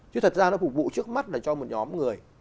chứ thật ra nó phục vụ trước mắt là cho một nhóm người